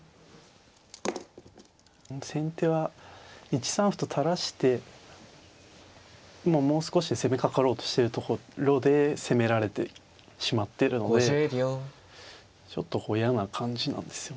先手は１三歩と垂らしてもう少しで攻めかかろうとしてるところで攻められてしまってるのでちょっと嫌な感じなんですよね